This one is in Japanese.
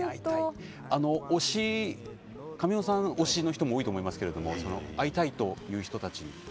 神尾さん、推しの人も多いと思いますが会いたいという人たちに。